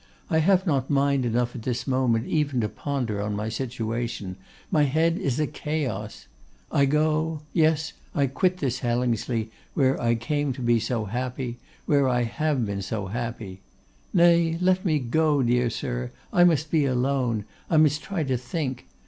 I have not mind enough at this moment even to ponder on my situation. My head is a chaos. I go; yes, I quit this Hellingsley, where I came to be so happy, where I have been so happy. Nay, let me go, dear sir! I must be alone, I must try to think.